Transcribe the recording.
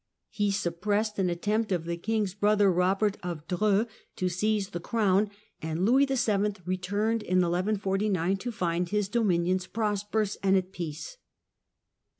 He suppressed an attempt of the King's brother, Eobert of Dreux, to seize the crown, and Louis VII. returned in 1149 to find his dominions prosperous and at peace.